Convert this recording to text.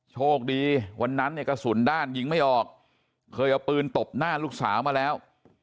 โชคดีวันนั้นเนี่ยกระสุนด้านยิงไม่ออกเคยเอาปืนตบหน้าลูกสาวมาแล้ว